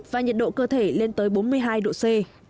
và nhiệt độ cơ thể lên tới bốn mươi hai độ c